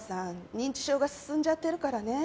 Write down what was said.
認知症が進んじゃってるからね。